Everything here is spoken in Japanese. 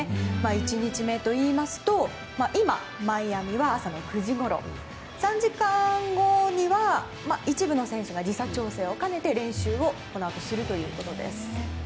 １日目といいますと今、マイアミは朝の９時ごろでして３時間後には一部の選手が時差調整を兼ねて練習をこのあとするということです。